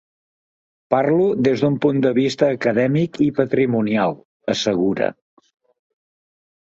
Parlo des d'un punt de vista acadèmic i patrimonial —assegura—.